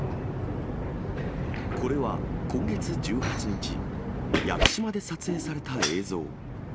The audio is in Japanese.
これは、今月１８日、屋久島で撮影された映像。